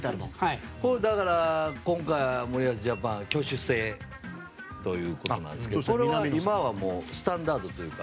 今回、森保ジャパンは挙手制ということなんですけどこれは今はもうスタンダードというか。